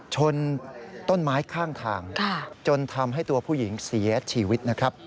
ชนต้นไม้ข้างทางจนทำให้ตัวผู้หญิงเสียชีวิตนะครับ